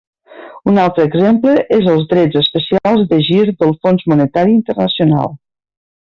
Un altre exemple és els Drets especials de gir del Fons Monetari Internacional.